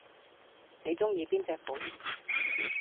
你鍾意邊隻款